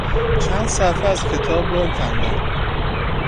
چند صفحه از کتاب را کندن